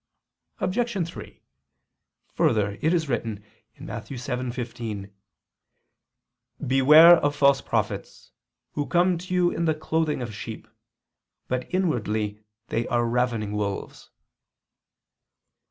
Obj. 3: Further, it is written (Matt. 7:15): "Beware of false prophets, who come to you in the clothing of sheep, but inwardly they are ravening wolves."